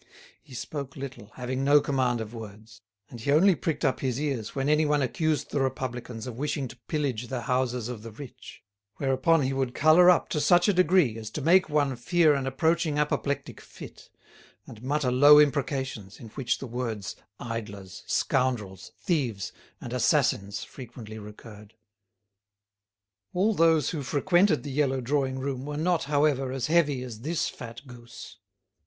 He spoke little, having no command of words; and he only pricked up his ears when anyone accused the Republicans of wishing to pillage the houses of the rich; whereupon he would colour up to such a degree as to make one fear an approaching apoplectic fit, and mutter low imprecations, in which the words "idlers," "scoundrels," "thieves," and "assassins" frequently recurred. All those who frequented the yellow drawing room were not, however, as heavy as this fat goose.